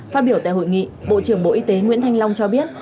phát biểu tại hội nghị bộ trưởng bộ y tế nguyễn thanh long cho biết